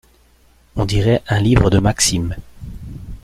On dirait un livre de maximes.